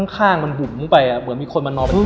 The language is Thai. ข้างมันบุ๋มไปเหมือนมีคนมานอนแบบนี้